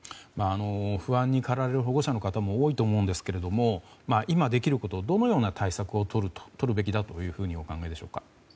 不安に駆られる保護者の方も多いと思いますが今、できることどのような対策をとるべきだというふうにお考えでしょうか。